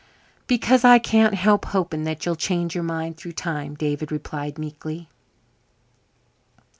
"Because I can't help hoping that you'll change your mind through time," David replied meekly.